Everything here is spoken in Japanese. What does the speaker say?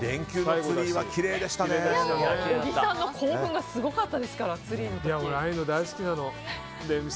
小木さんの興奮がすごかったですから、ツリーの時。